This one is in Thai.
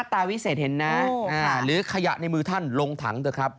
วิเศษเห็นนะหรือขยะในมือท่านลงถังเถอะครับ